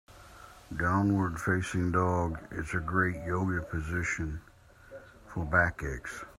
Downward facing dog is a great Yoga position for back aches.